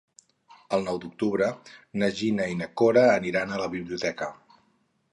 El nou d'octubre na Gina i na Cora aniran a la biblioteca.